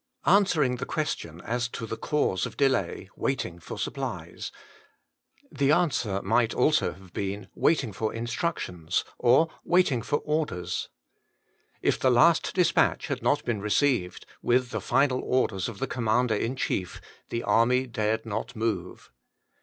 Answering the question as to the cause of delay :* Waiting for supplies.^ The answer might also have been: * Waiting for in^triLctionSy or, * Waiting for orders.^ If the last despatch had not been received, with the final orders of the com mander in chief, the army dared not move.